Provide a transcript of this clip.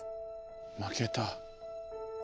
負けた。